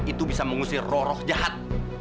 itu bisa mengusir roh roh jahat